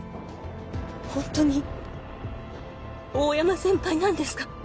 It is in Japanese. ほんとに大山先輩なんですか？